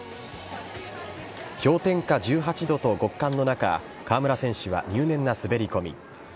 氷点下１８度と極寒の中、川村選手は入念な滑り込み。